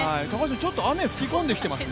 雨、ちょっとふき込んできていますね。